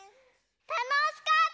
たのしかった！